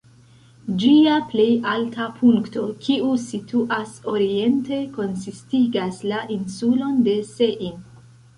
Ĝia plej alta punkto, kiu situas oriente, konsistigas la insulon de Sein.